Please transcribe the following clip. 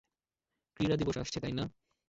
ক্রীড়া দিবস আসছে, তাই না?